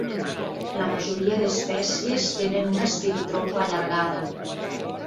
La majoria d'espècies tenen una espiritrompa allargada.